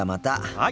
はい。